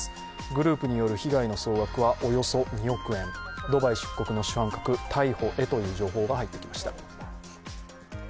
グループによる被害の総額はおよそ２億円、ドバイ出国の主犯格、逮捕へという情報が入ってきました。